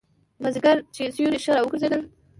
مازیګر چې سیوري ښه را وګرځېدل.